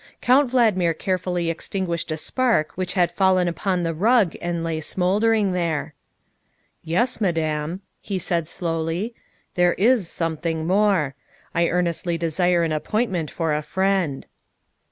Count Valdmir carefully extinguished a spark which had fallen upon the rug and lay smouldering there. " Yes, Madame," he said slowly, " there is some thing more. I earnestly desire an appointment for a friend."